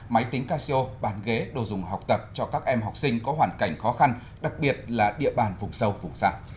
máy tính casio bàn ghế đồ dùng học tập cho các em học sinh có hoàn cảnh khó khăn đặc biệt là địa bàn phục sâu phục sạc